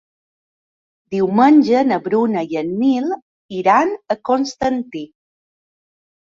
Diumenge na Bruna i en Nil iran a Constantí.